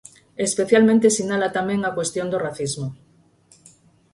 E especialmente sinala tamén a cuestión do racismo.